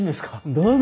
どうぞ。